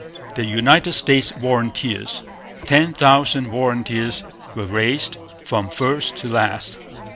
The United States Volunteers. Ten thousand volunteers were raised, from first to last.